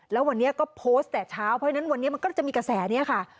แล้ววันนี้ก็โพสต์แต่เช้าเพราะฉะนั้นวันนี้มันก็จะมีกระแสนี้ค่ะ